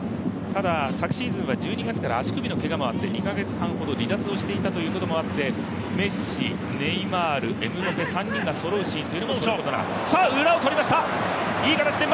ただ、昨シーズンは１２月から足首のけがもあって２カ月半ほど離脱をしていたということもあってメッシ、ネイマール、エムバペが３人がそろうシーン。